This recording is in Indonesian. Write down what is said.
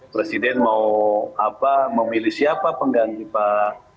presiden mau memilih siapa pengganti pak